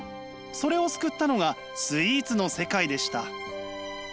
それを救ったのがスイーツの世界でした。